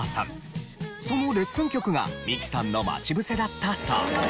そのレッスン曲が三木さんの『まちぶせ』だったそう。